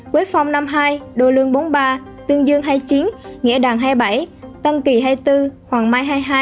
quế phong năm mươi hai đô lương bốn mươi ba tương dương hai mươi chín nghĩa đàn hai mươi bảy tân kỳ hai mươi bốn hoàng mai hai mươi hai